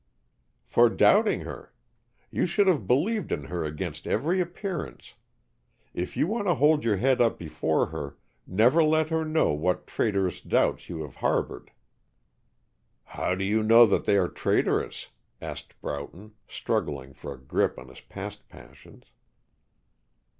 "For doubting her. You should have believed in her against every appearance. If you want to hold your head up before her, never let her know what traitorous doubts you have harbored." "How do you know that they are traitorous?" asked Broughton, struggling for a grip on his past passions.